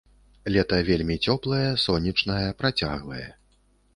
Лета вельмі цёплае, сонечнае, працяглае.